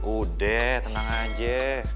udah tenang aja